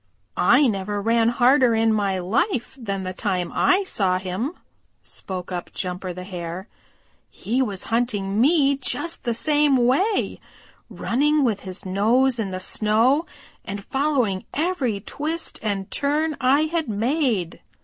"I never ran harder in my life than the time I saw him," spoke up Jumper the Hare. "He was hunting me just the same way, running with his nose in the snow and following every twist and turn I had made.